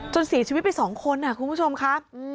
จนสีชีวิตไป๒คนค่ะคุณผู้ชมค่ะ